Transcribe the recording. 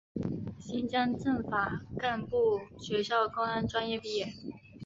新疆政法干部学校公安专业毕业。